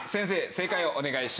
正解をお願いします。